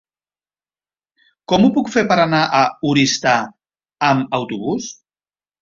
Com ho puc fer per anar a Oristà amb autobús?